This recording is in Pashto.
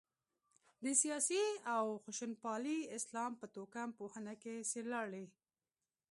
د سیاسي او خشونتپالي اسلام په توکم پوهنه کې څېړلای.